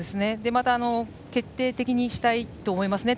また、決定的にしたいと思ってると思いますね。